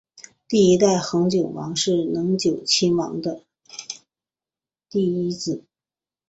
第一代恒久王是能久亲王的第一子。